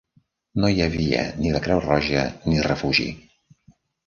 No hi havia ni la Creu Roja ni refugi.